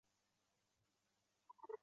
长江自江源至宜宾各段有独立的名称。